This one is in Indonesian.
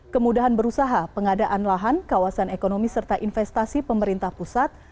kemudahan berusaha pengadaan lahan kawasan ekonomi serta investasi pemerintah pusat